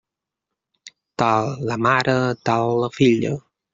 Tal la mare, tal la filla.